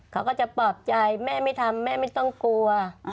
เขาก็จะปลอบใจแม่ไม่ทำแม่ไม่ต้องกลัว